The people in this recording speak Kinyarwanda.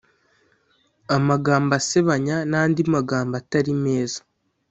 amagambo asebanya n’andi magambo atari meza